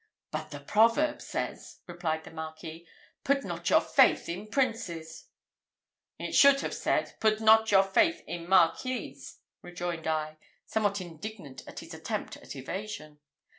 "But the proverb says," replied the Marquis, "Put not your faith in princes." "It should have said, Put not your faith in Marquises," rejoined I, somewhat indignant at his attempts at evasion.